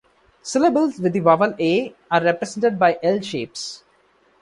Syllables with the vowel "a" are represented by L shapes.